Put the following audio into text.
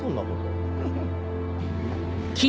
フフフ！